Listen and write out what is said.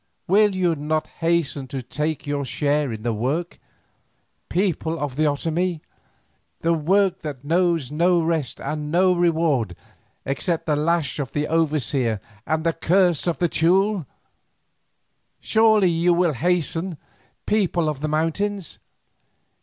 Will you not hasten to take your share in the work, people of the Otomie, the work that knows no rest and no reward except the lash of the overseer and the curse of the Teule? Surely you will hasten, people of the mountains!